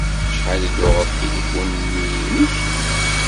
Acḥal i d-tuɣeḍ tilifun-nni-inek?